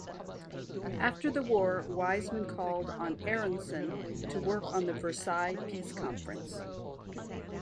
After the war, Weizmann called on Aaronsohn to work on the Versailles Peace Conference.